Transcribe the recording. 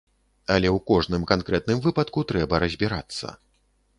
Але ў кожным канкрэтным выпадку трэба разбірацца.